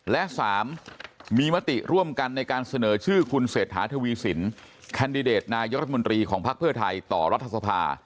และ๓มีมติร่วมกันในการเสนอชื่อคุณเศรษฐาทวีสินแคนดิเดตนายกรัฐมนตรีของภักดิ์เพื่อไทยต่อรัฐสภา